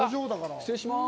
失礼します。